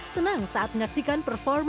senang saat mengaksikan performa